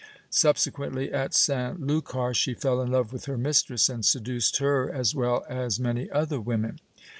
Subsequently at San Lucar she fell in love with her mistress and seduced her, as well as many other women.